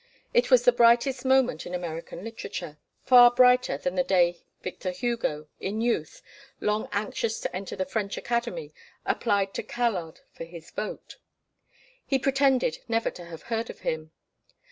It was the brightest moment in American literature; far brighter than the day Victor Hugo, in youth, long anxious to enter the French Academy, applied to Callard for his vote. He pretended never to have heard of him.